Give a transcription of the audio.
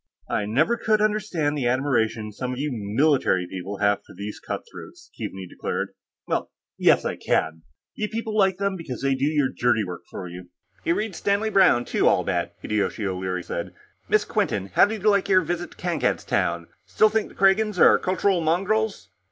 "I never could understand the admiration some of you military people have for those cutthroats," Keaveney declared. "Oh, yes, I can. You like them because they do your dirty work for you." "He reads Stanley Browne, too, I'll bet," Hideyoshi O'Leary said. "Miss Quinton, how did you like your visit to Kankad's Town? Still think the Kragans are cultural mongrels?"